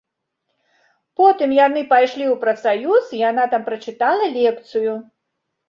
Потым яны пайшлі ў прафсаюз, і яна там прачытала лекцыю.